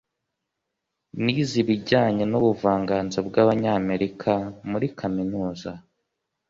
Nize ibijyanye n'ubuvanganzo bw'Abanyamerika muri kaminuza.